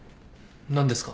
何ですか？